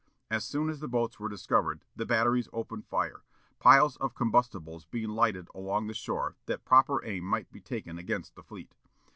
As soon as the boats were discovered, the batteries opened fire, piles of combustibles being lighted along the shore that proper aim might be taken against the fleet.